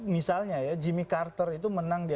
misalnya ya jimmy carter itu menang di